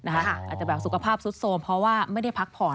อาจจะแบบสุขภาพซุดโทรมเพราะว่าไม่ได้พักผ่อน